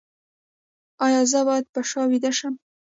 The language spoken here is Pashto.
ایا زه باید په شا ویده شم؟